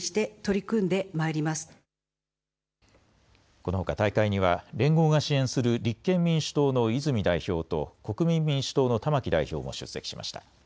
このほか大会には連合が支援する立憲民主党の泉代表と国民民主党の玉木代表も出席しました。